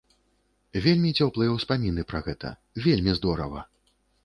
Вельмі цёплыя ўспаміны пра гэта, вельмі здорава!